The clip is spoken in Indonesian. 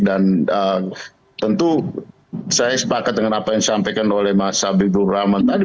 dan tentu saya sepakat dengan apa yang disampaikan oleh mas sabi burrahman tadi